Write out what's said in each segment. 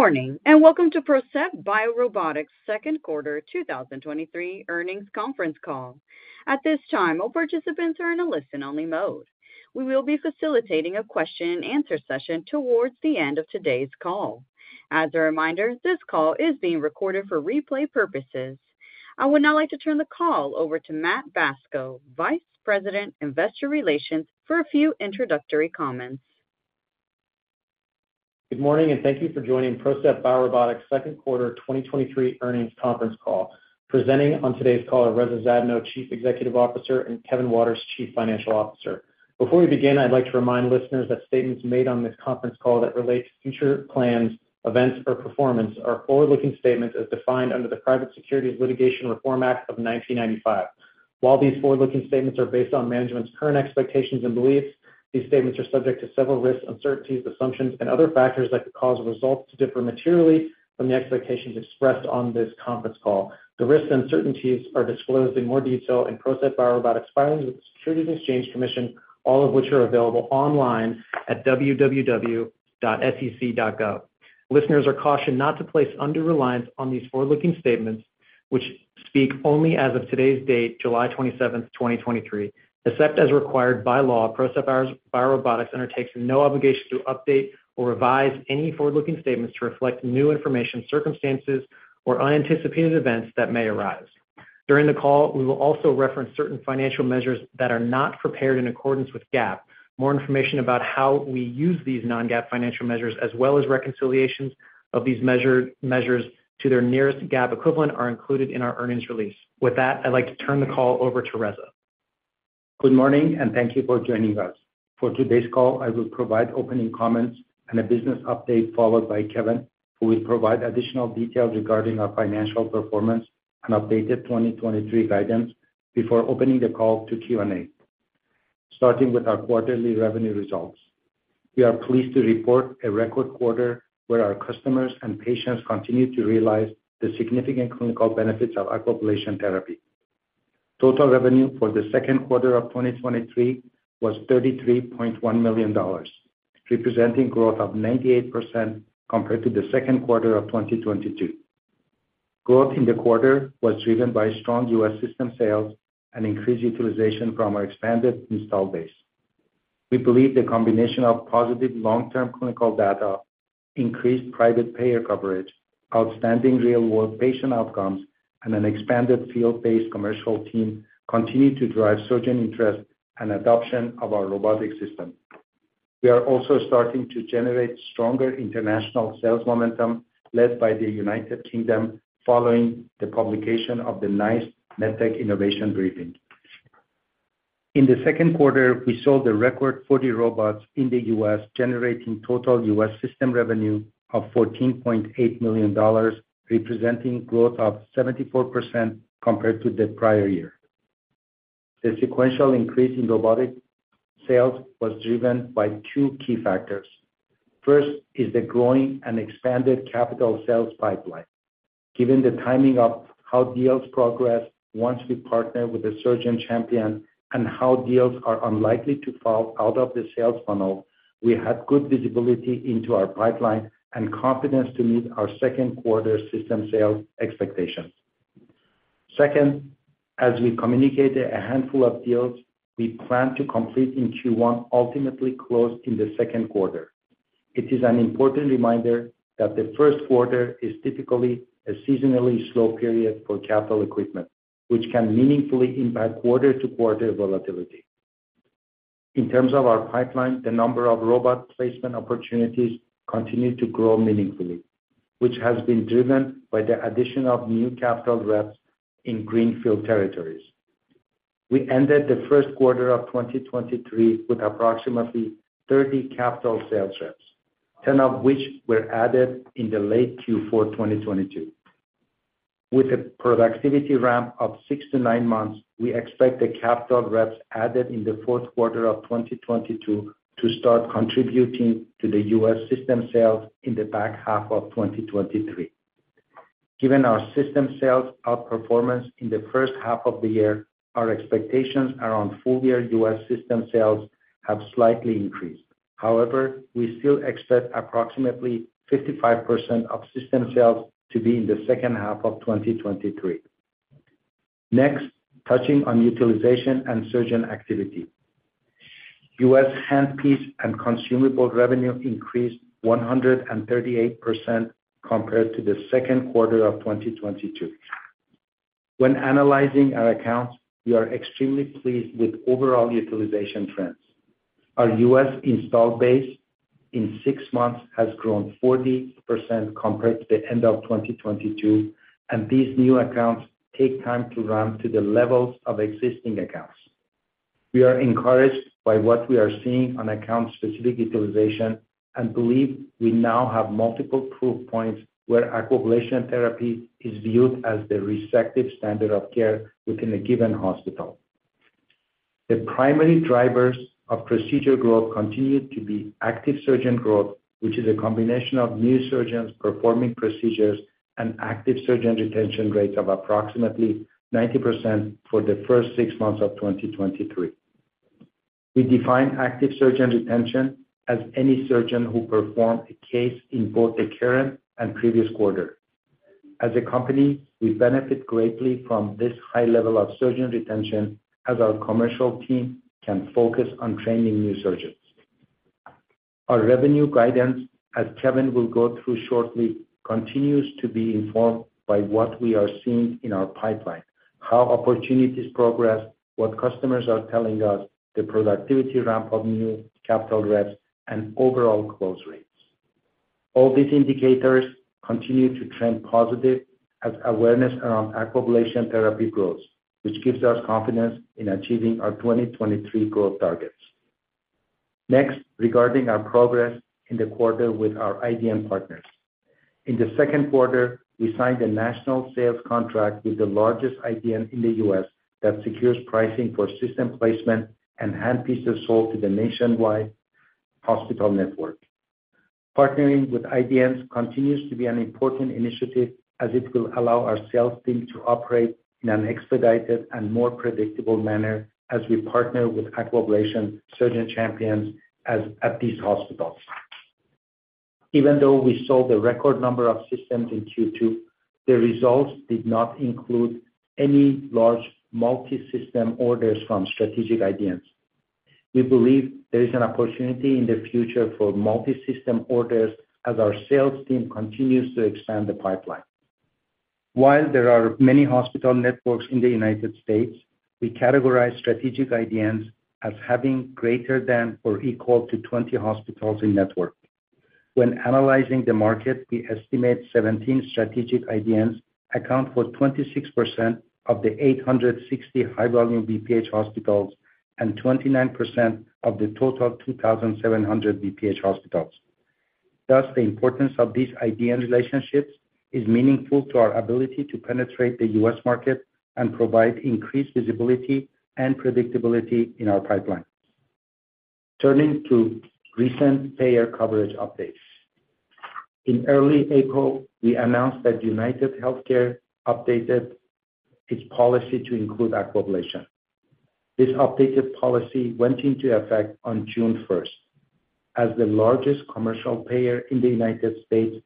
Good morning. Welcome to PROCEPT BioRobotics' second quarter 2023 earnings conference call. At this time, all participants are in a listen-only mode. We will be facilitating a question-and-answer session towards the end of today's call. As a reminder, this call is being recorded for replay purposes. I would now like to turn the call over to Matt Bacso, Vice President, Investor Relations, for a few introductory comments. Good morning, thank you for joining PROCEPT BioRobotics' second quarter 2023 earnings conference call. Presenting on today's call are Reza Zadno, Chief Executive Officer, and Kevin Waters, Chief Financial Officer. Before we begin, I'd like to remind listeners that statements made on this conference call that relate to future plans, events, or performance are forward-looking statements as defined under the Private Securities Litigation Reform Act of 1995. While these forward-looking statements are based on management's current expectations and beliefs, these statements are subject to several risks, uncertainties, assumptions, and other factors that could cause results to differ materially from the expectations expressed on this conference call. The risks and uncertainties are disclosed in more detail in PROCEPT BioRobotics' filings with the Securities and Exchange Commission, all of which are available online at www.sec.gov. Listeners are cautioned not to place undue reliance on these forward-looking statements, which speak only as of today's date, July 27th, 2023. Except as required by law, PROCEPT BioRobotics undertakes no obligation to update or revise any forward-looking statements to reflect new information, circumstances, or unanticipated events that may arise. During the call, we will also reference certain financial measures that are not prepared in accordance with GAAP. More information about how we use these non-GAAP financial measures, as well as reconciliations of these measures to their nearest GAAP equivalent, are included in our earnings release. With that, I'd like to turn the call over to Reza. Good morning, thank you for joining us. For today's call, I will provide opening comments and a business update, followed by Kevin, who will provide additional details regarding our financial performance and updated 2023 guidance before opening the call to Q&A. Starting with our quarterly revenue results. We are pleased to report a record quarter where our customers and patients continue to realize the significant clinical benefits of Aquablation therapy. Total revenue for the second quarter of 2023 was $33.1 million, representing growth of 98% compared to the second quarter of 2022. Growth in the quarter was driven by strong U.S. system sales and increased utilization from our expanded install base. We believe the combination of positive long-term clinical data, increased private payer coverage, outstanding real-world patient outcomes, and an expanded field-based commercial team continue to drive surgeon interest and adoption of our robotic system. We are also starting to generate stronger international sales momentum, led by the United Kingdom, following the publication of the NICE Medtech Innovation Briefing. In the second quarter, we sold a record 40 robots in the U.S., generating total U.S. system revenue of $14.8 million, representing growth of 74% compared to the prior year. The sequential increase in robotic sales was driven by two key factors. First is the growing and expanded capital sales pipeline. Given the timing of how deals progress once we partner with a surgeon champion and how deals are unlikely to fall out of the sales funnel, we had good visibility into our pipeline and confidence to meet our second quarter system sales expectations. Second, as we communicated a handful of deals we planned to complete in Q1, ultimately closed in the second quarter. It is an important reminder that the first quarter is typically a seasonally slow period for capital equipment, which can meaningfully impact quarter-to-quarter volatility. In terms of our pipeline, the number of robot placement opportunities continued to grow meaningfully, which has been driven by the addition of new capital reps in greenfield territories. We ended the first quarter of 2023 with approximately 30 capital sales reps, 10 of which were added in the late Q4 2022. With a productivity ramp of six to nine months, we expect the capital reps added in the fourth quarter of 2022 to start contributing to the U.S. system sales in the back half of 2023. Given our system sales outperformance in the first half of the year, our expectations around full-year U.S. system sales have slightly increased. We still expect approximately 55% of system sales to be in the second half of 2023. Touching on utilization and surgeon activity. U.S. handpiece and consumable revenue increased 138% compared to the second quarter of 2022. When analyzing our accounts, we are extremely pleased with overall utilization trends. Our U.S. install base in six months has grown 40% compared to the end of 2022, and these new accounts take time to ramp to the levels of existing accounts. We are encouraged by what we are seeing on account-specific utilization and believe we now have multiple proof points where Aquablation therapy is viewed as the resective standard of care within a given hospital. The primary drivers of procedure growth continue to be active surgeon growth, which is a combination of new surgeons performing procedures and active surgeon retention rates of approximately 90% for the first six months of 2023. We define active surgeon retention as any surgeon who performed a case in both the current and previous quarter. As a company, we benefit greatly from this high level of surgeon retention, as our commercial team can focus on training new surgeons. Our revenue guidance, as Kevin will go through shortly, continues to be informed by what we are seeing in our pipeline, how opportunities progress, what customers are telling us, the productivity ramp of new capital reps, and overall close rates. All these indicators continue to trend positive as awareness around Aquablation therapy grows, which gives us confidence in achieving our 2023 growth targets. Next, regarding our progress in the quarter with our IDN partners. In the second quarter, we signed a national sales contract with the largest IDN in the U.S. that secures pricing for system placement and handpiece of sold to the nationwide hospital network. Partnering with IDNs continues to be an important initiative, as it will allow our sales team to operate in an expedited and more predictable manner as we partner with Aquablation surgeon champions at these hospitals. Even though we sold a record number of systems in Q2, the results did not include any large multi-system orders from strategic IDNs. We believe there is an opportunity in the future for multi-system orders as our sales team continues to expand the pipeline. While there are many hospital networks in the United States, we categorize strategic IDNs as having greater than or equal to 20 hospitals in network. When analyzing the market, we estimate 17 strategic IDNs account for 26% of the 860 high-volume BPH hospitals and 29% of the total 2,700 BPH hospitals. Thus, the importance of these IDN relationships is meaningful to our ability to penetrate the U.S. market and provide increased visibility and predictability in our pipeline. Turning to recent payer coverage updates. In early April, we announced that UnitedHealthcare updated its policy to include Aquablation. This updated policy went into effect on June 1st. As the largest commercial payer in the U.S.,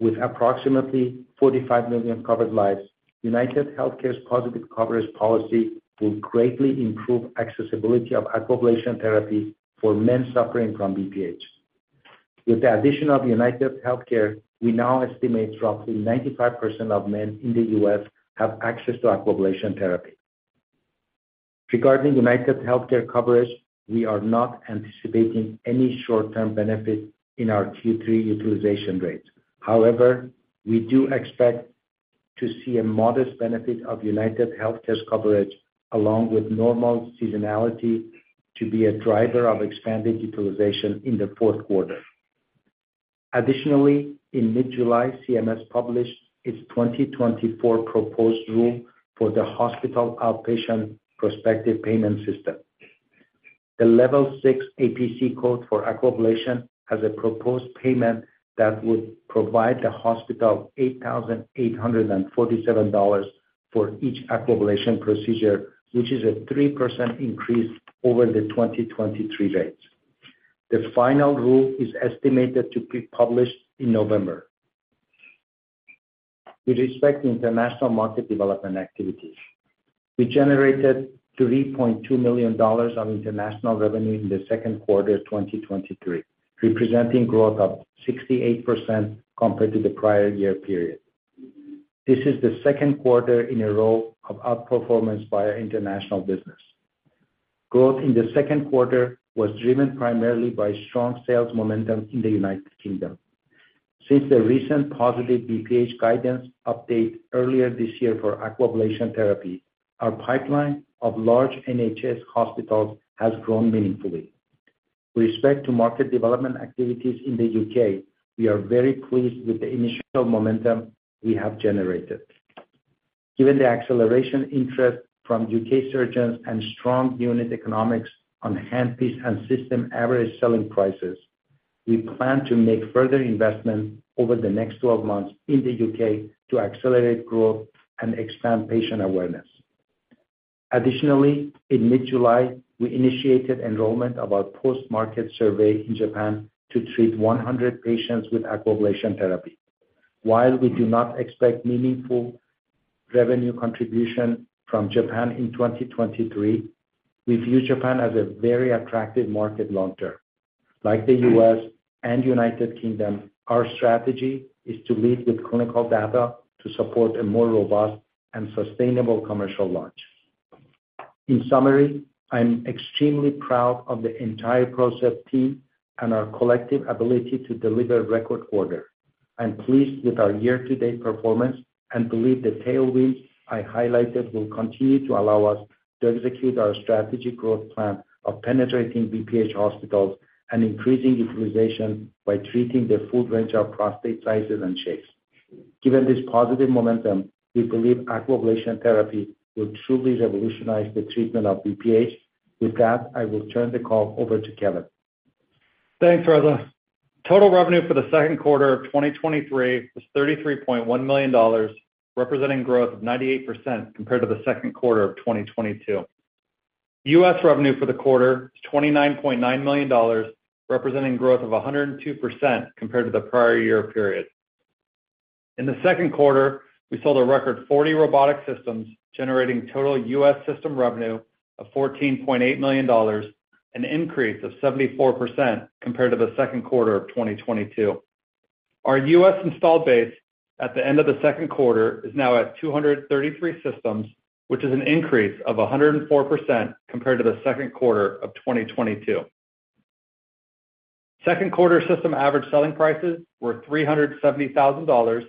with approximately 45 million covered lives, UnitedHealthcare's positive coverage policy will greatly improve accessibility of Aquablation therapy for men suffering from BPH. With the addition of UnitedHealthcare, we now estimate roughly 95% of men in the U.S. have access to Aquablation therapy. Regarding UnitedHealthcare coverage, we are not anticipating any short-term benefit in our Q3 utilization rates. However, we do expect to see a modest benefit of UnitedHealthcare's coverage, along with normal seasonality, to be a driver of expanded utilization in the fourth quarter. Additionally, in mid-July, CMS published its 2024 proposed rule for the Hospital Outpatient Prospective Payment System. The level six APC code for Aquablation has a proposed payment that would provide the hospital $8,847 for each Aquablation procedure, which is a 3% increase over the 2023 rates. The final rule is estimated to be published in November. With respect to international market development activities, we generated $3.2 million of international revenue in the second quarter of 2023, representing growth of 68% compared to the prior year period. This is the second quarter in a row of outperformance by our international business. Growth in the second quarter was driven primarily by strong sales momentum in the United Kingdom. Since the recent positive BPH guidance update earlier this year for Aquablation therapy, our pipeline of large NHS hospitals has grown meaningfully. With respect to market development activities in the U.K., we are very pleased with the initial momentum we have generated. Given the acceleration interest from U.K. surgeons and strong unit economics on handpiece and system average selling prices, we plan to make further investment over the next 12 months in the U.K. to accelerate growth and expand patient awareness. Additionally, in mid-July, we initiated enrollment of our post-market survey in Japan to treat 100 patients with Aquablation therapy. While we do not expect meaningful revenue contribution from Japan in 2023, we view Japan as a very attractive market long term. Like the U.S. and United Kingdom, our strategy is to lead with clinical data to support a more robust and sustainable commercial launch. In summary, I'm extremely proud of the entire PROCEPT team and our collective ability to deliver record order. I'm pleased with our year-to-date performance and believe the tailwinds I highlighted will continue to allow us to execute our strategic growth plan of penetrating BPH hospitals and increasing utilization by treating the full range of prostate sizes and shapes. Given this positive momentum, we believe Aquablation therapy will truly revolutionize the treatment of BPH. With that, I will turn the call over to Kevin. Thanks, Reza. Total revenue for the second quarter of 2023 was $33.1 million, representing growth of 98% compared to the second quarter of 2022. U.S. revenue for the quarter is $29.9 million, representing growth of 102% compared to the prior year period. In the second quarter, we sold a record 40 robotic systems, generating total U.S. system revenue of $14.8 million, an increase of 74% compared to the second quarter of 2022. Our U.S. installed base at the end of the second quarter is now at 233 systems, which is an increase of 104% compared to the second quarter of 2022. Second quarter system average selling prices were $370,000,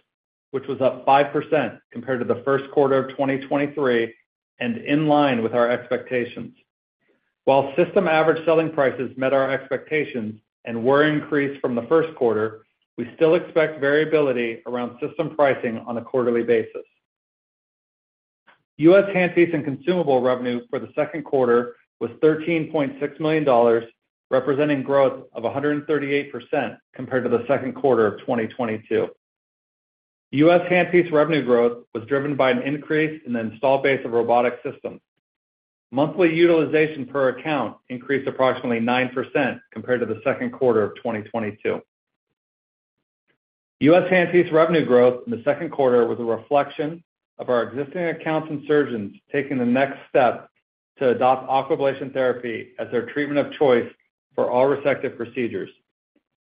which was up 5% compared to the first quarter of 2023 and in line with our expectations. While system average selling prices met our expectations and were increased from the first quarter, we still expect variability around system pricing on a quarterly basis. U.S. handpiece and consumable revenue for the second quarter was $13.6 million, representing growth of 138% compared to the second quarter of 2022. U.S. handpiece revenue growth was driven by an increase in the installed base of robotic systems. Monthly utilization per account increased approximately 9% compared to the second quarter of 2022. U.S. handpiece revenue growth in the second quarter was a reflection of our existing accounts and surgeons taking the next step to adopt Aquablation therapy as their treatment of choice for all resective procedures.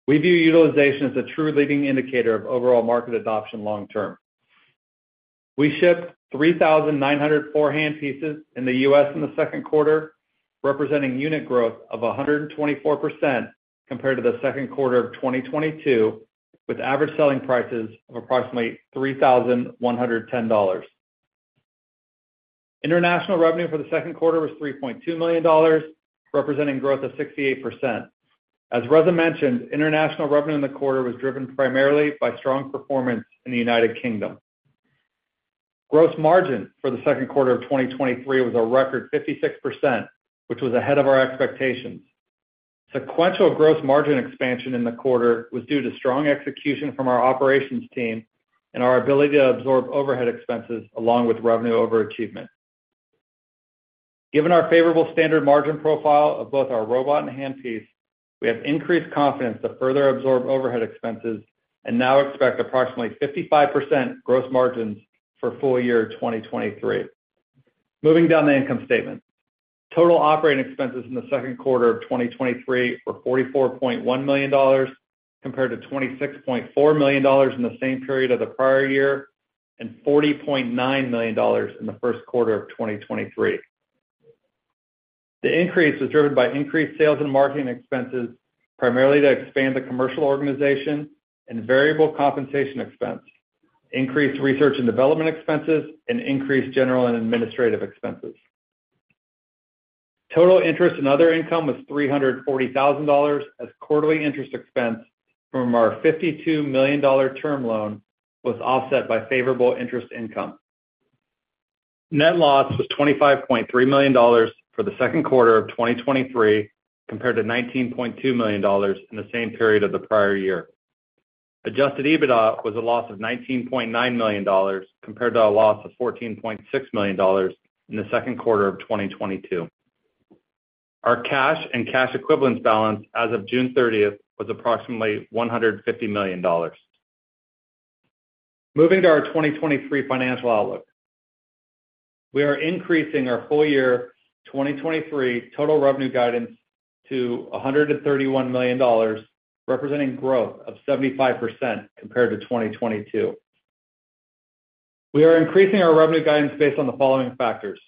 We view utilization as a true leading indicator of overall market adoption long term. We shipped 3,904 handpieces in the U.S. in the second quarter, representing unit growth of 124% compared to the second quarter of 2022, with average selling prices of approximately $3,110. International revenue for the second quarter was $3.2 million, representing growth of 68%. As Reza mentioned, international revenue in the quarter was driven primarily by strong performance in the United Kingdom. Gross margin for the second quarter of 2023 was a record 56%, which was ahead of our expectations. Sequential gross margin expansion in the quarter was due to strong execution from our operations team and our ability to absorb overhead expenses along with revenue over achievement. Given our favorable standard margin profile of both our robot and handpiece, we have increased confidence to further absorb overhead expenses and now expect approximately 55% gross margins for full year 2023. Moving down the income statement. Total operating expenses in the second quarter of 2023 were $44.1 million, compared to $26.4 million in the same period of the prior year, and $40.9 million in the first quarter of 2023. The increase was driven by increased sales and marketing expenses, primarily to expand the commercial organization and variable compensation expense, increased research and development expenses, and increased general and administrative expenses. Total interest and other income was $340,000, as quarterly interest expense from our $52 million term loan was offset by favorable interest income. Net loss was $25.3 million for the second quarter of 2023, compared to $19.2 million in the same period of the prior year. Adjusted EBITDA was a loss of $19.9 million, compared to a loss of $14.6 million in the second quarter of 2022. Our cash and cash equivalents balance as of June 30th was approximately $150 million. Moving to our 2023 financial outlook. We are increasing our full year 2023 total revenue guidance to $131 million, representing growth of 75% compared to 2022. We are increasing our revenue guidance based on the following factors.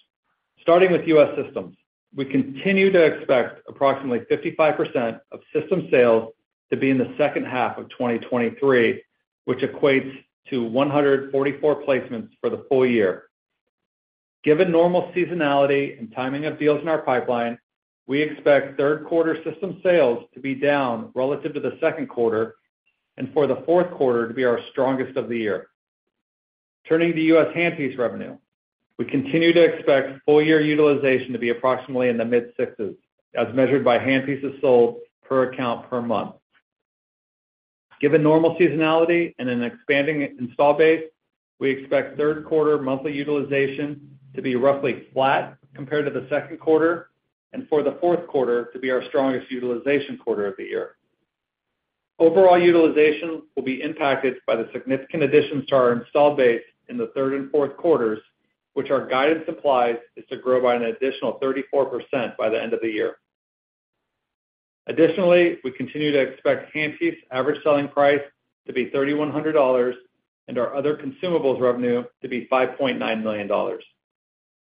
Starting with U.S. systems, we continue to expect approximately 55% of system sales to be in the second half of 2023, which equates to 144 placements for the full year. Given normal seasonality and timing of deals in our pipeline, we expect third quarter system sales to be down relative to the second quarter and for the fourth quarter to be our strongest of the year. Turning to U.S. handpiece revenue, we continue to expect full year utilization to be approximately in the mid-sixties, as measured by handpieces sold per account per month. Given normal seasonality and an expanding install base, we expect third quarter monthly utilization to be roughly flat compared to the second quarter, and for the fourth quarter to be our strongest utilization quarter of the year. Overall utilization will be impacted by the significant additions to our installed base in the third and fourth quarters, which our guidance applies is to grow by an additional 34% by the end of the year. We continue to expect handpiece average selling price to be $3,100 and our other consumables revenue to be $5.9 million.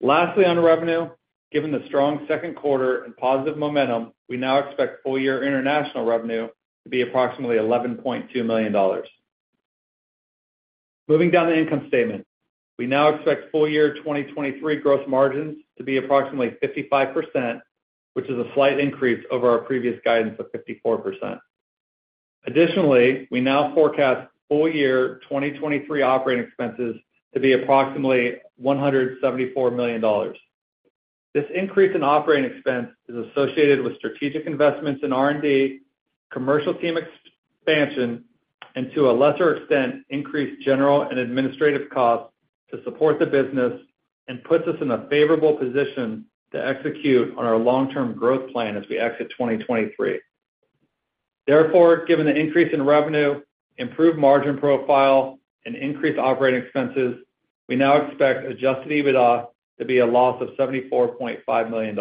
On revenue, given the strong second quarter and positive momentum, we now expect full year international revenue to be approximately $11.2 million. Moving down the income statement, we now expect full year 2023 gross margins to be approximately 55%, which is a slight increase over our previous guidance of 54%. We now forecast full year 2023 operating expenses to be approximately $174 million. This increase in OpEx is associated with strategic investments in R&D, commercial team expansion, and to a lesser extent, increased general and administrative costs to support the business, and puts us in a favorable position to execute on our long-term growth plan as we exit 2023. Therefore, given the increase in revenue, improved margin profile, and increased OpEx, we now expect Adjusted EBITDA to be a loss of $74.5 million.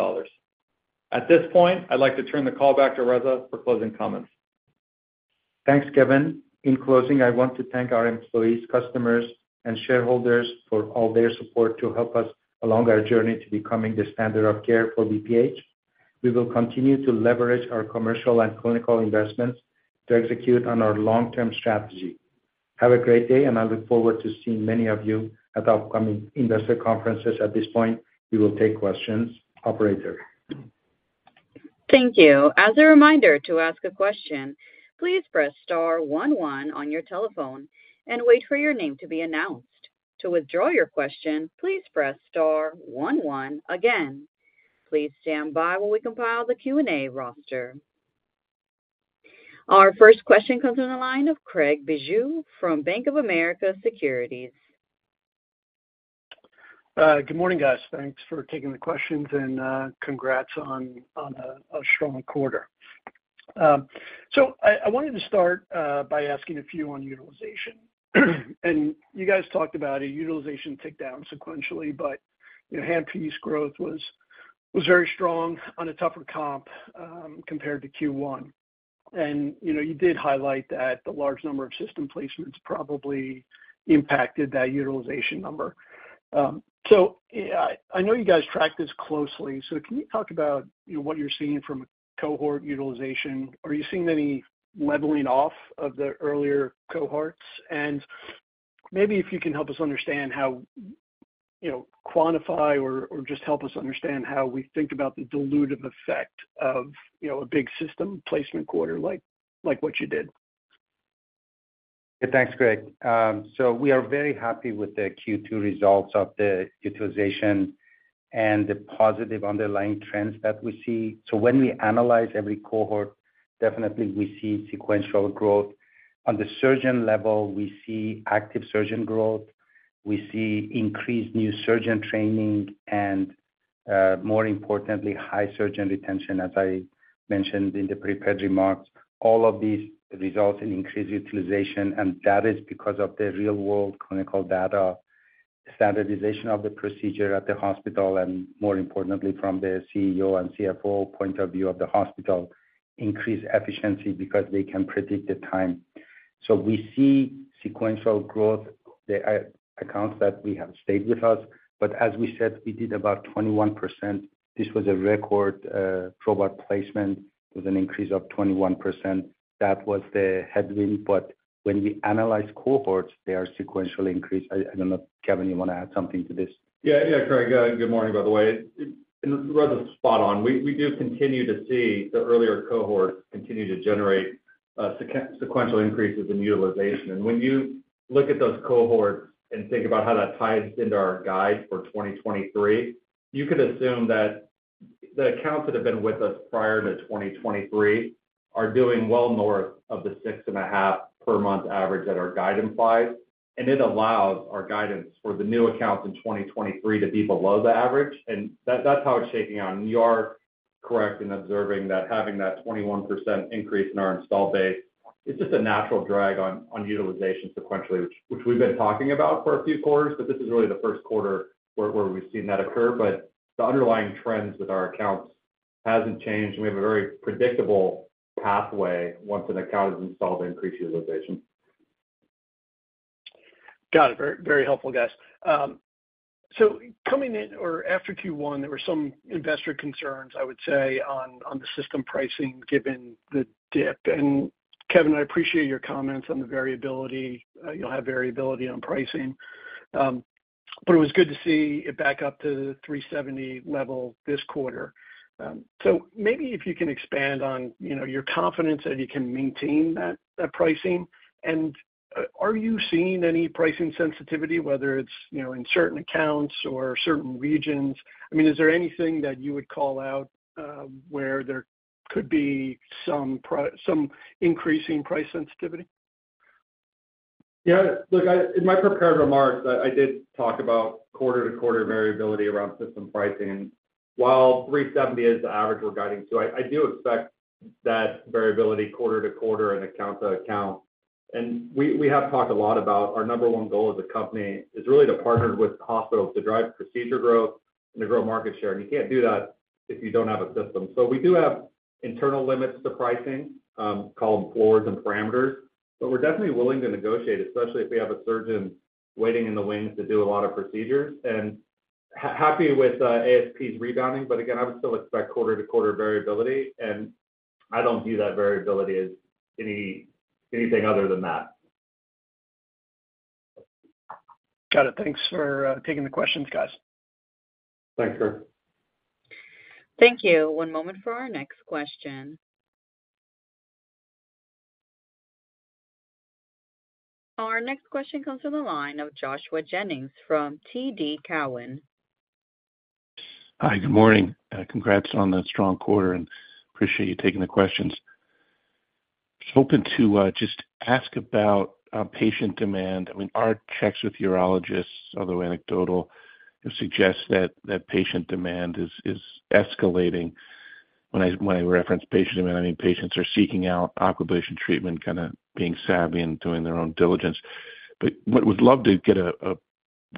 At this point, I'd like to turn the call back to Reza for closing comments. Thanks, Kevin. In closing, I want to thank our employees, customers, and shareholders for all their support to help us along our journey to becoming the standard of care for BPH. We will continue to leverage our commercial and clinical investments to execute on our long-term strategy. Have a great day, and I look forward to seeing many of you at the upcoming investor conferences. At this point, we will take questions. Operator? Thank you. As a reminder, to ask a question, please press star one one on your telephone and wait for your name to be announced. To withdraw your question, please press star one one again. Please stand by while we compile the Q&A roster. Our first question comes from the line of Craig Bijou from Bank of America Securities. Good morning, guys. Thanks for taking the questions, congrats on a strong quarter. I wanted to start by asking a few on utilization. You guys talked about it, utilization ticked down sequentially, but your handpiece growth was very strong on a tougher comp compared to Q1. You know, you did highlight that the large number of system placements probably impacted that utilization number. I know you guys track this closely, so can you talk about, you know, what you're seeing from a cohort utilization? Are you seeing any leveling off of the earlier cohorts? Maybe if you can help us understand how, you know, quantify or just help us understand how we think about the dilutive effect of, you know, a big system placement quarter like what you did. Thanks, Craig. We are very happy with the Q2 results of the utilization and the positive underlying trends that we see. When we analyze every cohort, definitely we see sequential growth. On the surgeon level, we see active surgeon growth, we see increased new surgeon training, and more importantly, high surgeon retention, as I mentioned in the prepared remarks. All of these result in increased utilization, and that is because of the real-world clinical data, standardization of the procedure at the hospital, and more importantly, from the CEO and CFO point of view of the hospital, increased efficiency because they can predict the time. We see sequential growth, the accounts that we have stayed with us. As we said, we did about 21%. This was a record robot placement with an increase of 21%. That was the headwind, when we analyze cohorts, they are sequentially increased. I don't know, Kevin, you want to add something to this? Yeah. Yeah, Craig, good morning, by the way. Reza's spot on. We do continue to see the earlier cohorts continue to generate, sequential increases in utilization. And when you look at those cohorts and think about how that ties into our guide for 2023, you could assume that the accounts that have been with us prior to 2023 are doing well more of the 6.5 per month average that our guide implies, and it allows our guidance for the new accounts in 2023 to be below the average, and that's how it's shaking out. You are correct in observing that having that 21% increase in our install base, it's just a natural drag on utilization sequentially, which we've been talking about for a few quarters, but this is really the first quarter where we've seen that occur. The underlying trends with our accounts hasn't changed. We have a very predictable pathway once an account is installed to increase utilization. Got it. Very helpful, guys. Coming in or after Q1, there were some investor concerns, I would say, on the system pricing given the dip. Kevin, I appreciate your comments on the variability. You'll have variability on pricing. It was good to see it back up to the $370 level this quarter. Maybe if you can expand on, you know, your confidence that you can maintain that pricing. Are you seeing any pricing sensitivity, whether it's, you know, in certain accounts or certain regions? I mean, is there anything that you would call out, where there could be some increasing price sensitivity? Yeah. Look, in my prepared remarks, I did talk about quarter-to-quarter variability around system pricing. While $370 is the average we're guiding to, I do expect that variability quarter-to-quarter and account-to-account. We have talked a lot about our number one goal as a company is really to partner with hospitals to drive procedure growth and to grow market share, and you can't do that if you don't have a system. We do have internal limits to pricing, called floors and parameters, we're definitely willing to negotiate, especially if we have a surgeon waiting in the wings to do a lot of procedures. Happy with ASPs rebounding, again, I would still expect quarter-to-quarter variability, I don't view that variability as anything other than that. Got it. Thanks for taking the questions, guys. Thanks, Kirk. Thank you. One moment for our next question. Our next question comes from the line of Joshua Jennings from TD Cowen. Hi, good morning. Congrats on the strong quarter, and appreciate you taking the questions. I was hoping to just ask about patient demand. I mean, our checks with urologists, although anecdotal, suggest that patient demand is escalating. When I reference patient demand, I mean, patients are seeking out Aquablation treatment, kind of being savvy and doing their own diligence. What we'd love to get a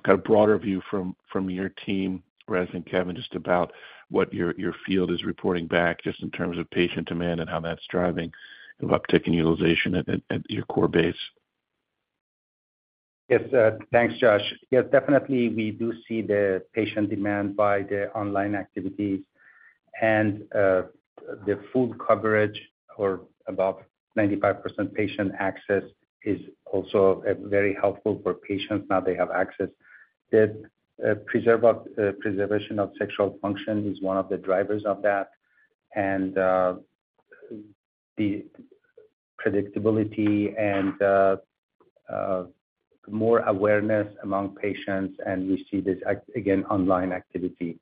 kind of broader view from your team, Raz and Kevin, just about what your field is reporting back, just in terms of patient demand and how that's driving the uptick in utilization at your core base. Yes. Thanks, Josh. Yes, definitely, we do see the patient demand by the online activities and the full coverage or about 95% patient access is also very helpful for patients, now they have access. The preservation of sexual function is one of the drivers of that, and the predictability and more awareness among patients, and we see this again, online activity.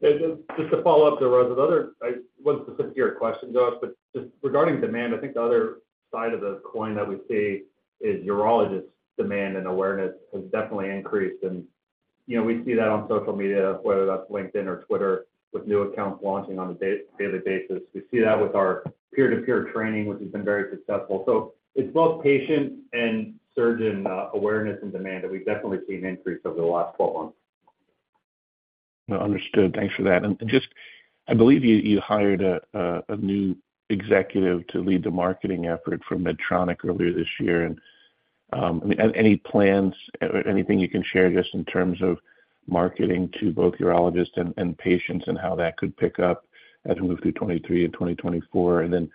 Yeah, just to follow up there, Raz, I wasn't specific to your question, Josh, but just regarding demand, I think the other side of the coin that we see is urologists' demand and awareness has definitely increased. You know, we see that on social media, whether that's LinkedIn or Twitter, with new accounts launching on a daily basis. We see that with our peer-to-peer training, which has been very successful. It's both patient and surgeon awareness and demand that we've definitely seen an increase over the last 12 months. Understood. Thanks for that. Just, I believe you hired a new executive to lead the marketing effort for Medtronic earlier this year. I mean, any plans, anything you can share just in terms of marketing to both urologists and patients and how that could pick up as we move through 2023 and 2024? Then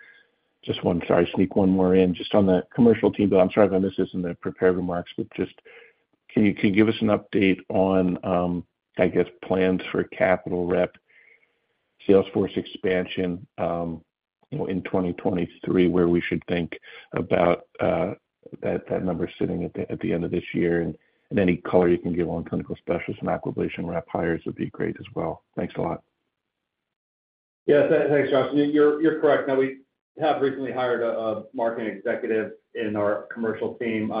just one, sorry, sneak one more in, just on the commercial team, though I'm sorry if I missed this in the prepared remarks, but just can you give us an update on, I guess, plans for capital rep, sales force expansion, in 2023, where we should think about that number sitting at the end of this year? And any color you can give on clinical specialists and acquisition rep hires would be great as well. Thanks a lot. Yeah. Thanks, Josh. You're correct. Now, we have recently hired a marketing executive in our commercial team.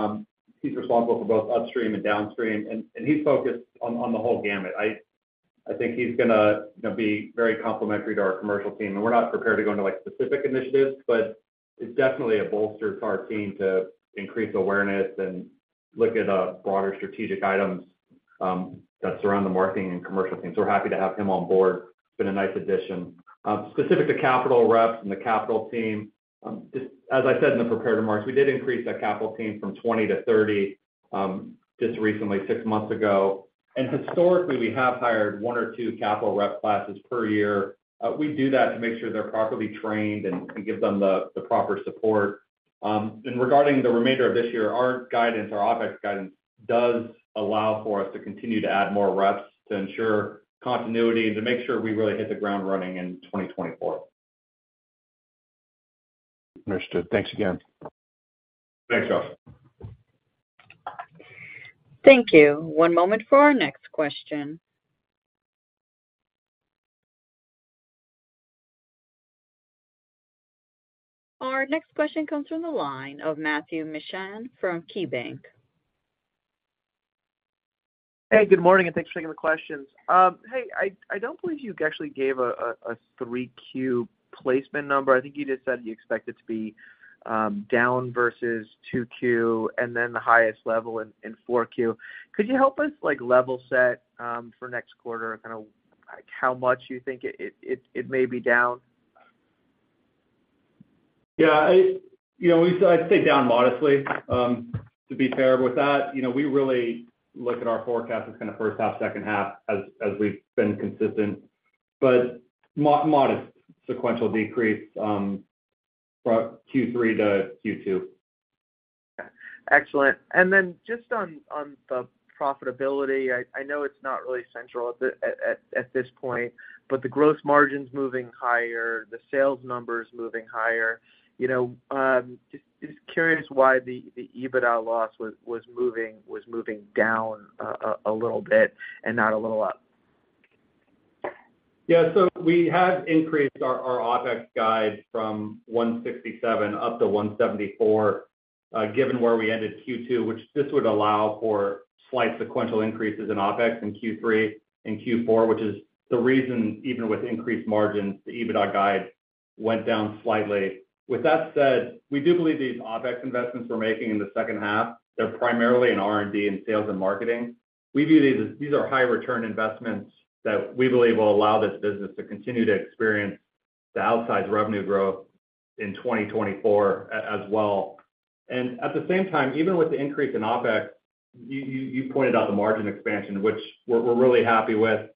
He's responsible for both upstream and downstream, and he's focused on the whole gamut. I think he's gonna, you know, be very complementary to our commercial team, and we're not prepared to go into, like, specific initiatives, but it's definitely a bolster to our team to increase awareness and look at broader strategic items that surround the marketing and commercial team. We're happy to have him on board. It's been a nice addition. Specific to capital reps and the capital team, just as I said in the prepared remarks, we did increase that capital team from 20 to 30 just recently, six months ago. Historically, we have hired one or two capital rep classes per year. We do that to make sure they're properly trained and to give them the proper support. Regarding the remainder of this year, our guidance, our OpEx guidance, does allow for us to continue to add more reps, to ensure continuity, to make sure we really hit the ground running in 2024. Understood. Thanks again. Thanks, Josh. Thank you. One moment for our next question. Our next question comes from the line of Matt Miksic from Barclays. Hey, good morning. Thanks for taking the questions. Hey, I don't believe you actually gave a 3Q placement number. I think you just said you expect it to be down versus 2Q and then the highest level in 4Q. Could you help us, like, level set, for next quarter and kind of, like, how much you think it may be down? Yeah, I, you know, I'd say down modestly, to be fair with that. You know, we really look at our forecast as kind of first half, second half, as we've been consistent, but modest sequential decrease, from Q3 to Q2. Excellent. Just on the profitability, I know it's not really central at this point, but the gross margin's moving higher, the sales number is moving higher. You know, just curious why the EBITDA loss was moving down a little bit and not a little up? We have increased our OpEx guide from 167 up to 174, given where we ended Q2, which this would allow for slight sequential increases in OpEx in Q3 and Q4, which is the reason, even with increased margins, the EBITDA guide went down slightly. With that said, we do believe these OpEx investments we're making in the second half, they're primarily in R&D and sales and marketing. We view these as these are high return investments that we believe will allow this business to continue to experience the outsized revenue growth in 2024 as well. At the same time, even with the increase in OpEx, you pointed out the margin expansion, which we're really happy with.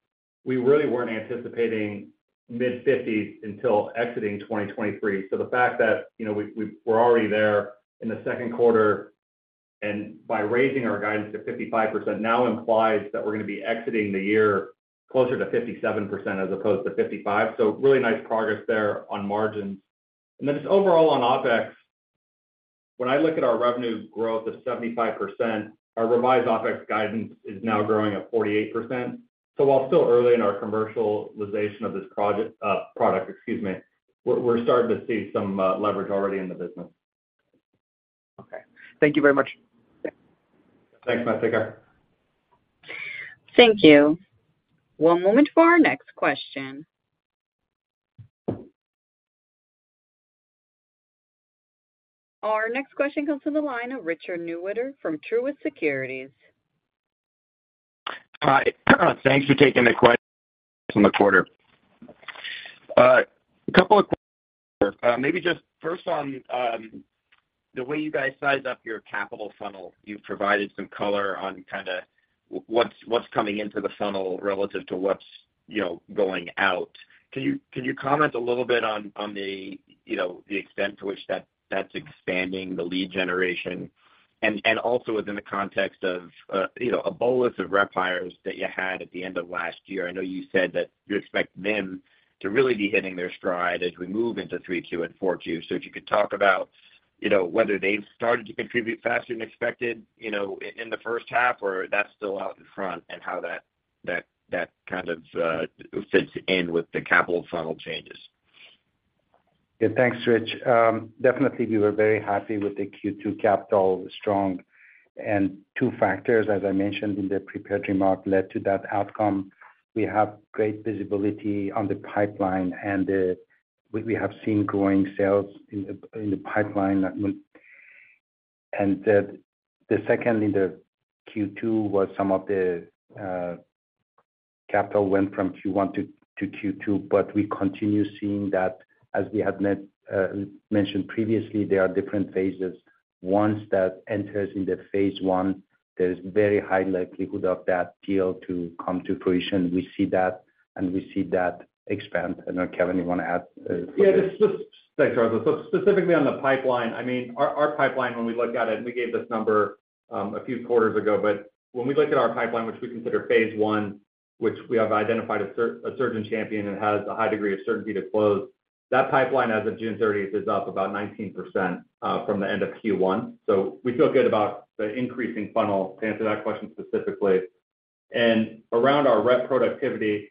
We really weren't anticipating mid-50s until exiting 2023. The fact that, you know, we're already there in the second quarter, and by raising our guidance to 55% now implies that we're gonna be exiting the year closer to 57% as opposed to 55. Really nice progress there on margins. Just overall on OpEx, when I look at our revenue growth of 75%, our revised OpEx guidance is now growing at 48%. While it's still early in our commercialization of this project, product, excuse me, we're starting to see some leverage already in the business. Okay, thank you very much. Thanks, Matthew. Thank you. One moment for our next question. Our next question comes from the line of Richard Newitter from Truist Securities. Hi, thanks for taking the question on the quarter. A couple of questions, maybe just first on the way you guys size up your capital funnel. You've provided some color on kinda what's coming into the funnel relative to what's, you know, going out. Can you, can you comment a little bit on the, you know, the extent to which that's expanding the lead generation? Also within the context of, you know, a bolus of rep hires that you had at the end of last year. I know you said that you expect them to really be hitting their stride as we move into 3Q and 4Q. If you could talk about, you know, whether they've started to contribute faster than expected, you know, in the first half, or that's still out in front, and how that kind of fits in with the capital funnel changes. Yeah, thanks, Rich. Definitely, we were very happy with the Q2 capital, strong. Two factors, as I mentioned in the prepared remark, led to that outcome. We have great visibility on the pipeline, and we have seen growing sales in the pipeline. Secondly, the Q2 was some of the capital went from Q1 to Q2, but we continue seeing that. As we had mentioned previously, there are different phases. Once that enters in the phase 1, there is very high likelihood of that deal to come to fruition. We see that, and we see that expand. I know, Kevin, you wanna add to it? Yeah, thanks, Reza. Specifically on the pipeline, I mean, our pipeline, when we look at it, and we gave this number a few quarters ago, but when we look at our pipeline, which we consider phase I, which we have identified a surgeon champion and has a high degree of certainty to close, that pipeline as of June 30th, is up about 19% from the end of Q1. We feel good about the increasing funnel, to answer that question specifically. Around our rep productivity,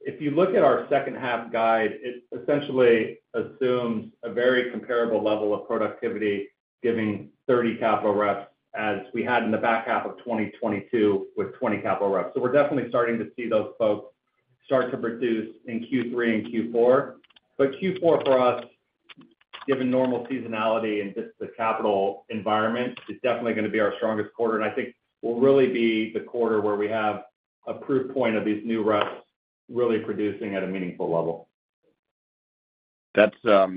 if you look at our second half guide, it essentially assumes a very comparable level of productivity, giving 30 capital reps as we had in the back half of 2022 with 20 capital reps. We're definitely starting to see those folks start to produce in Q3 and Q4. Q4 for us, given normal seasonality and just the capital environment, is definitely gonna be our strongest quarter, and I think will really be the quarter where we have a proof point of these new reps really producing at a meaningful level. That's,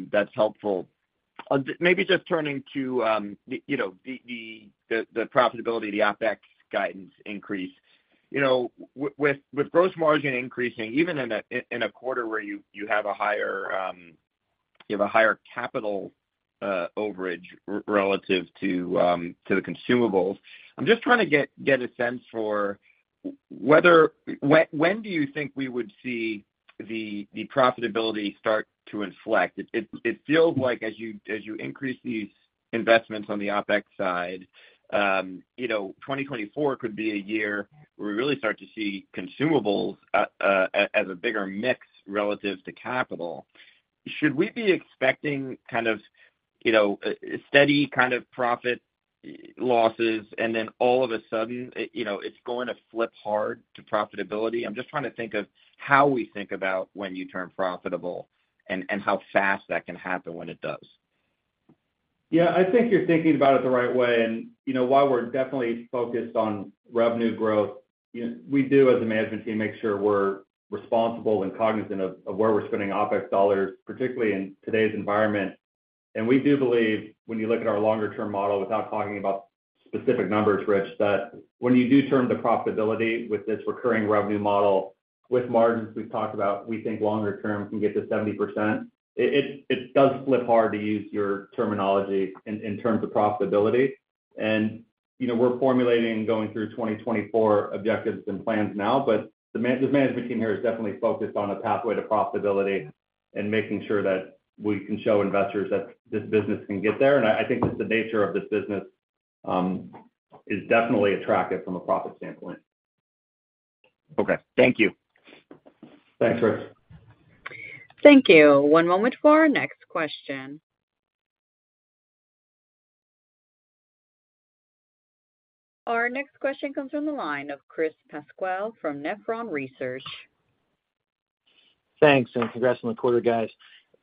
that's helpful. maybe just turning to, you know, the profitability, the OpEx guidance increase. You know, with gross margin increasing, even in a quarter where you have a higher, you have a higher capital overage relative to the consumables, I'm just trying to get a sense for whether when do you think we would see the profitability start to inflect? It feels like as you increase these investments on the OpEx side, you know, 2024 could be a year where we really start to see consumables as a bigger mix relative to capital. Should we be expecting kind of, you know, steady kind of profit losses, and then all of a sudden, you know, it's going to flip hard to profitability? I'm just trying to think of how we think about when you turn profitable and how fast that can happen when it does. Yeah, I think you're thinking about it the right way. You know, while we're definitely focused on revenue growth, you know, we do, as a management team, make sure we're responsible and cognizant of where we're spending OpEx dollars, particularly in today's environment. We do believe when you look at our longer-term model, without talking about specific numbers, Rich, that when you do turn to profitability with this recurring revenue model, with margins we've talked about, we think longer term can get to 70%. It does flip hard, to use your terminology, in terms of profitability. You know, we're formulating going through 2024 objectives and plans now, but the management team here is definitely focused on a pathway to profitability and making sure that we can show investors that this business can get there. I think that the nature of this business is definitely attractive from a profit standpoint. Okay. Thank you. Thanks, Rich. Thank you. One moment for our next question. Our next question comes from the line of Chris Pasquale from Nephron Research. Thanks, and congrats on the quarter, guys.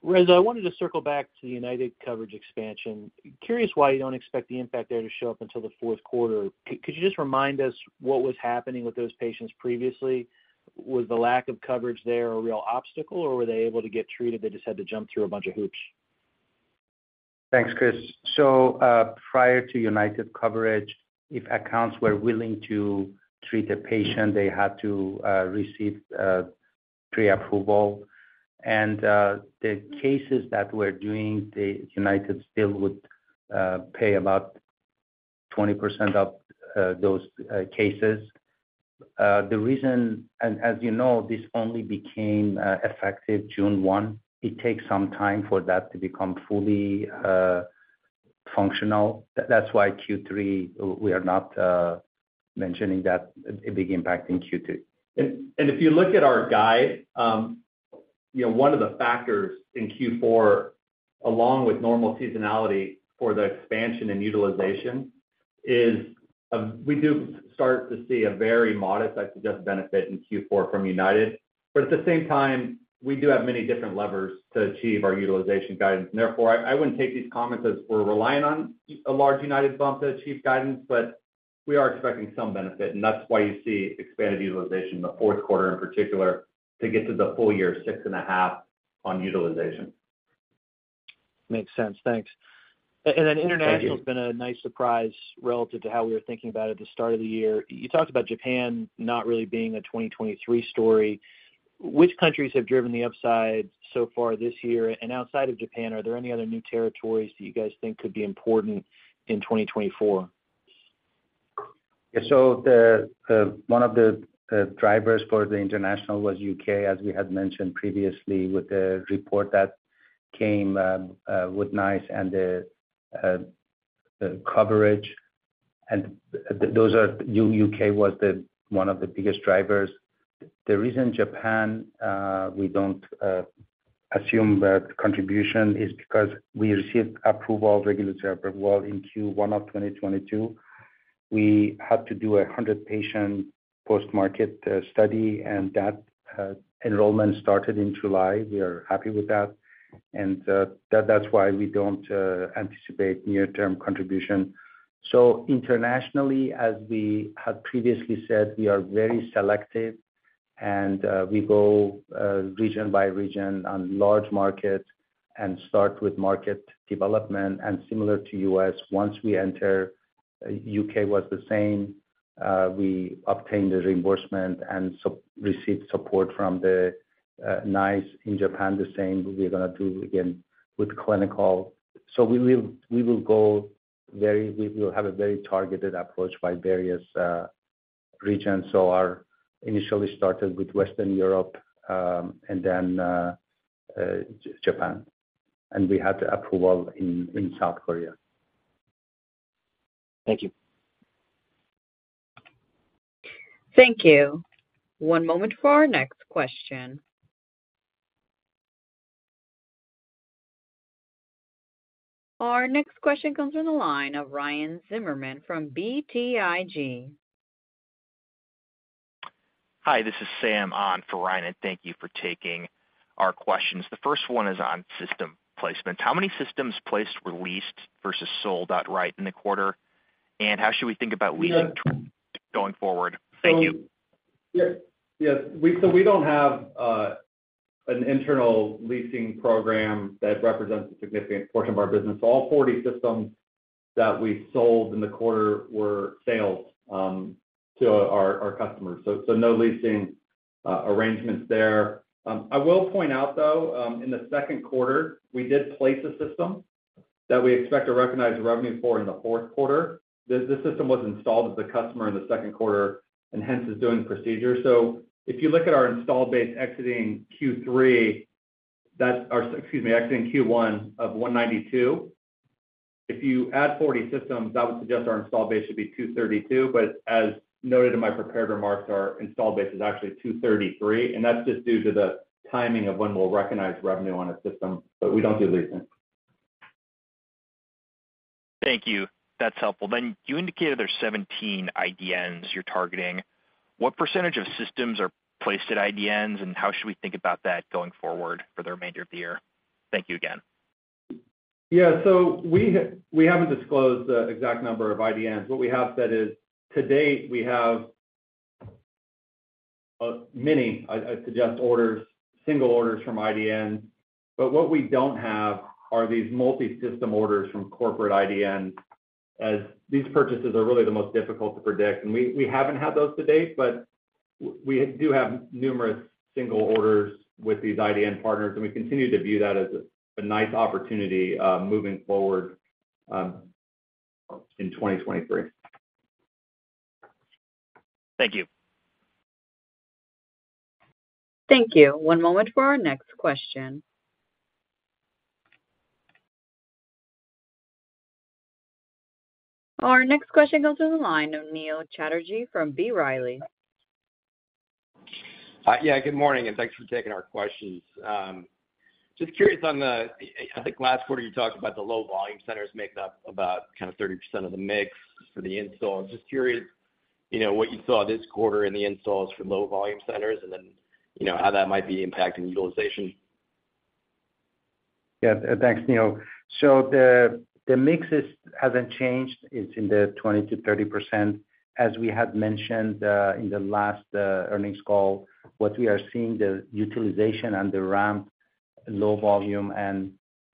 Reza, I wanted to circle back to the United coverage expansion. Curious why you don't expect the impact there to show up until the fourth quarter. Could you just remind us what was happening with those patients previously? Was the lack of coverage there a real obstacle, or were they able to get treated, they just had to jump through a bunch of hoops? Thanks, Chris. Prior to United coverage, if accounts were willing to treat a patient, they had to receive pre-approval. The cases that we're doing, the United still would pay about 20% of those cases. The reason, and as you know, this only became effective June 1, it takes some time for that to become fully functional. That's why Q3, we are not mentioning that a big impact in Q2. If you look at our guide, you know, one of the factors in Q4, along with normal seasonality for the expansion and utilization, is, we do start to see a very modest, I suggest, benefit in Q4 from United. At the same time, we do have many different levers to achieve our utilization guidance. Therefore, I wouldn't take these comments as we're relying on a large United bump to achieve guidance, but we are expecting some benefit, and that's why you see expanded utilization in the fourth quarter, in particular, to get to the full year 6.5 on utilization. Makes sense. Thanks. Thank you. International has been a nice surprise relative to how we were thinking about it at the start of the year. You talked about Japan not really being a 2023 story. Which countries have driven the upside so far this year? Outside of Japan, are there any other new territories that you guys think could be important in 2024? Yeah. The one of the drivers for the international was U.K., as we had mentioned previously, with the report that came with NICE and the coverage. U.K. was one of the biggest drivers. The reason Japan, we don't assume that contribution is because we received approval, regulatory approval in Q1 of 2022. We had to do a 100-patient post-market study, and that enrollment started in July. We are happy with that, and that's why we don't anticipate near-term contribution. Internationally, as we had previously said, we are very selective and we go region by region on large markets and start with market development. Similar to U.S., once we enter, U.K. was the same, we obtained the reimbursement and received support from the NICE. In Japan, the same, we're gonna do again with clinical. We will have a very targeted approach by various regions. Our initially started with Western Europe, and then Japan, and we had the approval in South Korea. Thank you. Thank you. One moment for our next question. Our next question comes from the line of Ryan Zimmerman from BTIG. Hi, this is Sam on for Ryan, and thank you for taking our questions. The first one is on system placement. How many systems placed were leased versus sold outright in the quarter? How should we think about leasing going forward? Thank you. Yes, so we don't have an internal leasing program that represents a significant portion of our business. All 40 systems that we sold in the quarter were sales to our customers, no leasing arrangements there. I will point out, though, in the second quarter, we did place a system that we expect to recognize the revenue for in the fourth quarter. The system was installed at the customer in the second quarter and hence is doing the procedure. If you look at our install base exiting Q3, that's or excuse me, exiting Q1 of 192, if you add 40 systems, that would suggest our install base should be 232. As noted in my prepared remarks, our install base is actually 233, and that's just due to the timing of when we'll recognize revenue on a system, but we don't do leasing. Thank you. That's helpful. You indicated there's 17 IDNs you're targeting. What % of systems are placed at IDNs, and how should we think about that going forward for the remainder of the year? Thank you again. Yeah, we haven't disclosed the exact number of IDNs. What we have said is, to date, we have many, I suggest orders, single orders from IDN. What we don't have are these multi-system orders from corporate IDN, as these purchases are really the most difficult to predict. We haven't had those to date, but we do have numerous single orders with these IDN partners, and we continue to view that as a nice opportunity moving forward in 2023. Thank you. Thank you. One moment for our next question. Our next question goes to the line of Neil Chatterjee from B. Riley. Yeah, good morning, and thanks for taking our questions. Just curious on the, I think last quarter you talked about the low volume centers making up about kind of 30% of the mix for the installs. Just curious, you know, what you saw this quarter in the installs for low volume centers, and then, you know, how that might be impacting utilization? Yeah, thanks, Neil. The mix hasn't changed. It's in the 20%-30%, as we had mentioned in the last earnings call. What we are seeing, the utilization and the ramp, low volume and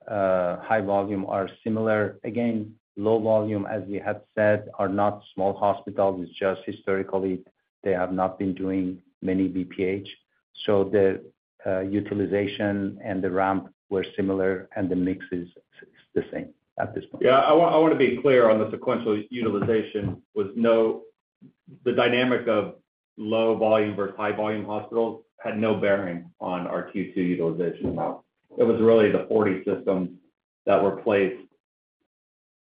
high volume are similar. Again, low volume, as we had said, are not small hospitals. It's just historically they have not been doing many BPH. The utilization and the ramp were similar, and the mix is the same at this point. Yeah, I wanna be clear on the sequential utilization. The dynamic of low volume versus high volume hospitals had no bearing on our Q2 utilization. It was really the 40 systems that were placed,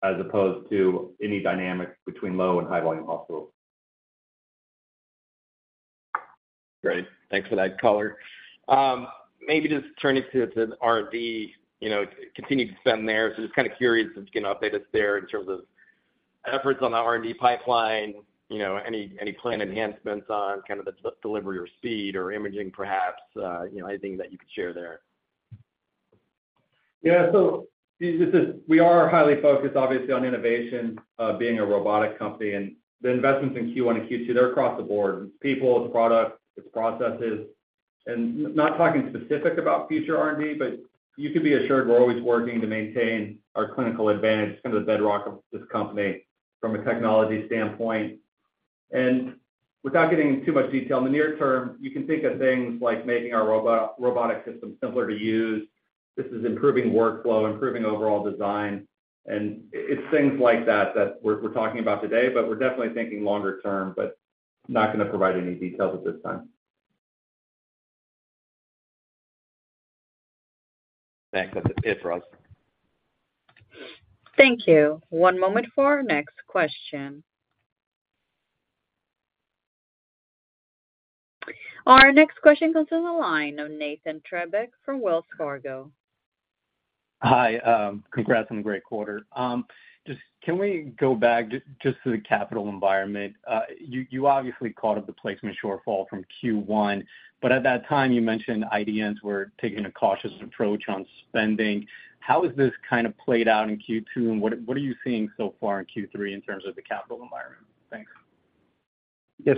as opposed to any dynamic between low and high volume hospitals. Great. Thanks for that color. Maybe just turning to the R&D, you know, continued to spend there. Just kind of curious if you can update us there in terms of efforts on the R&D pipeline, you know, any planned enhancements on kind of the delivery or speed or imaging perhaps, you know, anything that you could share there? Yeah. We are highly focused, obviously, on innovation, being a robotic company, and the investments in Q1 and Q2, they're across the board. It's people, it's product, it's processes. Not talking specific about future R&D, but you can be assured we're always working to maintain our clinical advantage. It's kind of the bedrock of this company from a technology standpoint. Without getting into too much detail, in the near term, you can think of things like making our robotic system simpler to use. This is improving workflow, improving overall design, and it's things like that we're talking about today, but we're definitely thinking longer term, but not gonna provide any details at this time. Thanks. That's it for us. Thank you. One moment for our next question. Our next question comes from the line of Nathan Treybeck from Wells Fargo. Hi, congrats on the great quarter. just, can we go back just to the capital environment? You obviously called out the placement shortfall from Q1, but at that time, you mentioned IDNs were taking a cautious approach on spending. How has this kind of played out in Q2, and what are you seeing so far in Q3 in terms of the capital environment? Thanks. Yes.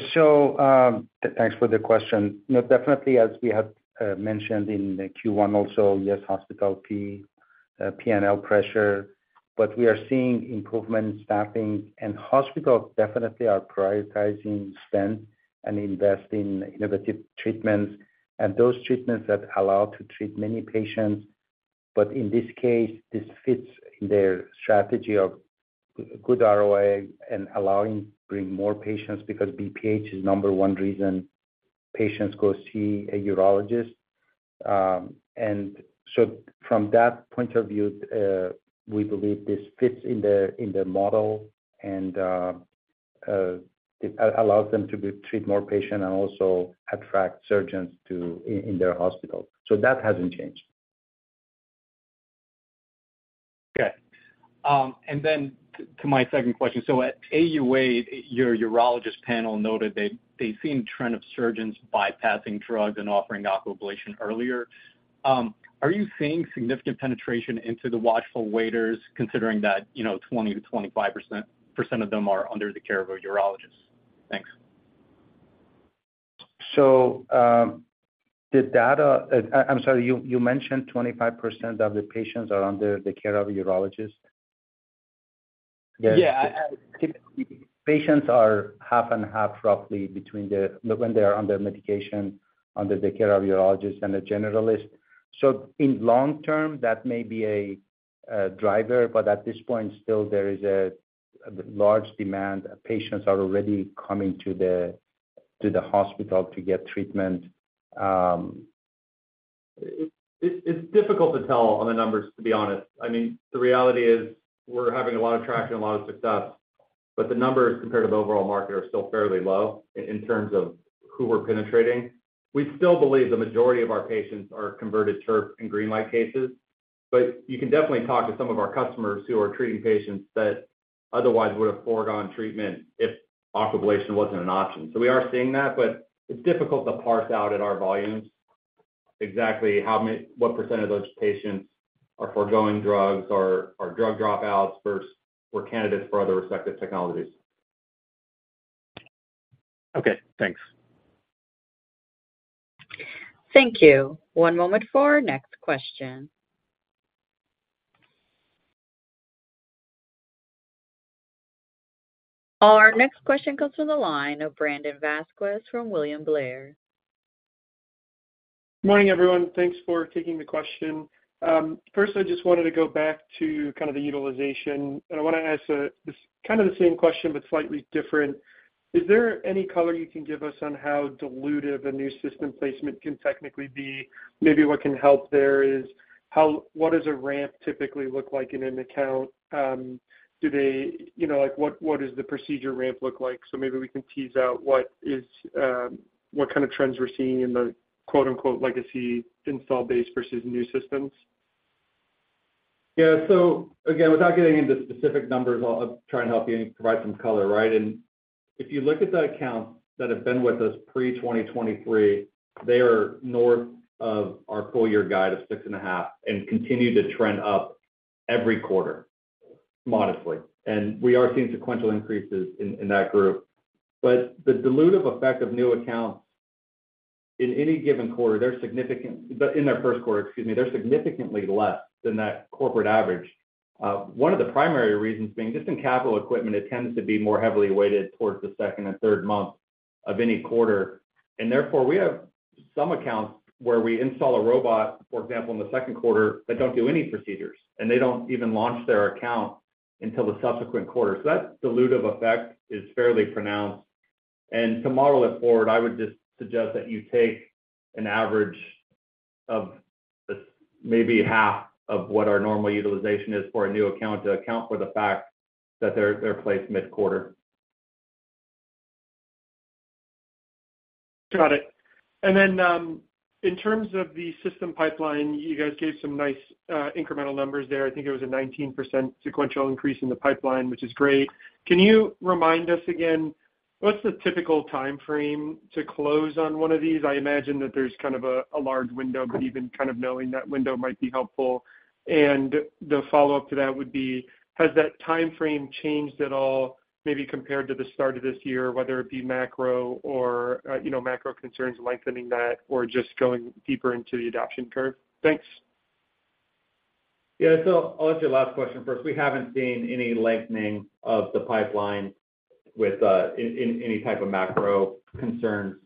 Thanks for the question. Definitely as we have mentioned in the Q1 also, yes, hospital PNL pressure, but we are seeing improvement in staffing, and hospitals definitely are prioritizing spend and invest in innovative treatments and those treatments that allow to treat many patients. In this case, this fits in their strategy of good ROI and allowing to bring more patients, because BPH is number one reason patients go see a urologist. From that point of view, we believe this fits in their model, and it allows them to be treat more patient and also attract surgeons to in their hospital. That hasn't changed. To my second question: at AUA, your urologist panel noted that they've seen a trend of surgeons bypassing drugs and offering Aquablation earlier. Are you seeing significant penetration into the watchful waiters, considering that, you know, 20%-25% of them are under the care of a urologist? Thanks. The data... I'm sorry, you mentioned 25% of the patients are under the care of a urologist? Yeah. Patients are half and half, roughly, between when they are under medication, under the care of urologist and a generalist. In long term, that may be a driver, but at this point, still there is a large demand. Patients are already coming to the hospital to get treatment. It's difficult to tell on the numbers, to be honest. I mean, the reality is we're having a lot of traction and a lot of success, but the numbers compared to the overall market are still fairly low in terms of who we're penetrating. We still believe the majority of our patients are converted TURP and GreenLight cases, but you can definitely talk to some of our customers who are treating patients that otherwise would have foregone treatment if Aquablation wasn't an option. We are seeing that, but it's difficult to parse out at our volumes exactly how many what percent of those patients are foregoing drugs or are drug dropouts versus were candidates for other respective technologies. Okay, thanks. Thank you. One moment for our next question. Our next question comes from the line of Brandon Vazquez from William Blair. Good morning, everyone. Thanks for taking the question. First, I just wanted to go back to kind of the utilization, I want to ask this kind of the same question, but slightly different. Is there any color you can give us on how dilutive a new system placement can technically be? Maybe what can help there is what does a ramp typically look like in an account? Do they, you know, like, what does the procedure ramp look like? Maybe we can tease out what is what kind of trends we're seeing in the, quote, unquote, "legacy install base versus new systems. Again, without getting into specific numbers, I'll try and help you provide some color, right? If you look at the accounts that have been with us pre-2023, they are north of our full year guide of six and a half and continue to trend up every quarter modestly, and we are seeing sequential increases in that group. The dilutive effect of new accounts in any given quarter, in their first quarter, excuse me, they're significantly less than that corporate average. One of the primary reasons being, just in capital equipment, it tends to be more heavily weighted towards the second and third month of any quarter. Therefore, we have some accounts where we install a robot, for example, in the second quarter, that don't do any procedures, and they don't even launch their account until the subsequent quarter. That dilutive effect is fairly pronounced. To model it forward, I would just suggest that you take an average of maybe half of what our normal utilization is for a new account, to account for the fact that they're placed mid-quarter. Got it. Then, in terms of the system pipeline, you guys gave some nice, incremental numbers there. I think it was a 19% sequential increase in the pipeline, which is great. Can you remind us again, what's the typical timeframe to close on one of these? I imagine that there's kind of a large window, but even kind of knowing that window might be helpful. The follow-up to that would be: Has that timeframe changed at all, maybe compared to the start of this year, whether it be macro or, you know, macro concerns lengthening that or just going deeper into the adoption curve? Thanks. Yeah. I'll answer your last question first. We haven't seen any lengthening of the pipeline with any type of macro concerns.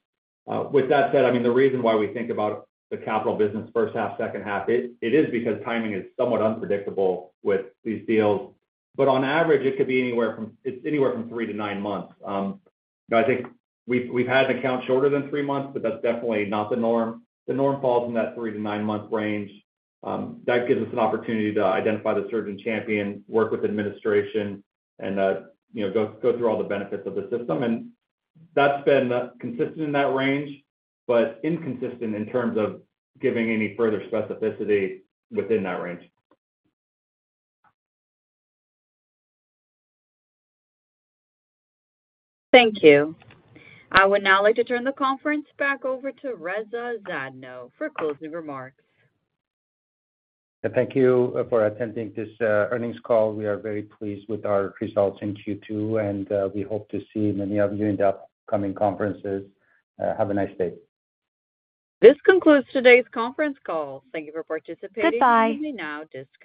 With that said, I mean, the reason why we think about the capital business first half, second half, is because timing is somewhat unpredictable with these deals, but on average, it could be anywhere from three to nine months. I think we've had accounts shorter than three months, but that's definitely not the norm. The norm falls in that three to nine month range. That gives us an opportunity to identify the surgeon champion, work with administration, and, you know, go through all the benefits of the system. That's been consistent in that range, but inconsistent in terms of giving any further specificity within that range. Thank you. I would now like to turn the conference back over to Reza Zadno for closing remarks. Thank you for attending this earnings call. We are very pleased with our results in Q2. We hope to see many of you in the upcoming conferences. Have a nice day. This concludes today's conference call. Thank you for participating. Goodbye. You may now disconnect.